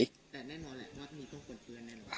แต่แน่นอนแหละน่าจะมีต้นปนเปื้อนแน่นอน